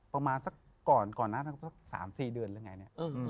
ประมาณสัก๓๔เดือนละไง